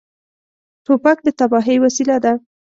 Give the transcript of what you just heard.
توپک د تباهۍ وسیله ده.